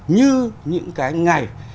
như những cái ngày